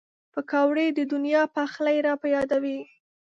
پکورې د نیا پخلی را په یادوي